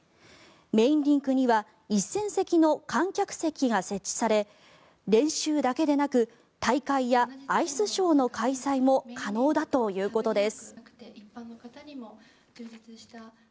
メインリンクには１０００席の観客席が設置され練習だけでなく大会やアイスショーの開催も可能だということです。